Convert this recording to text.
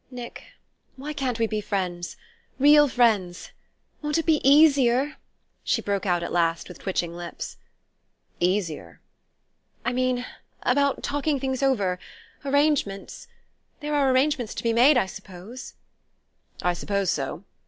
"Nick, why can't we be friends real friends? Won't it be easier?" she broke out at last with twitching lips. "Easier ?" "I mean, about talking things over arrangements. There are arrangements to be made, I suppose?" "I suppose so."